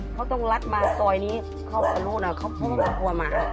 เขาต้องลัดมาซอยนี้เขาก็รู้นะเขาก็ไม่กลัวหมา